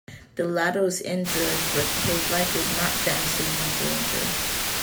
The latter was injured, but his life did not then seem in danger.